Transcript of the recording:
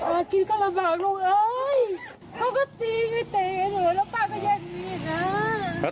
อาคิดก็ระบากลูกเอ๊ยพ่อก็ตีไอ้เต๋ไอ้หนูแล้วป้าก็แย่งมีดนะ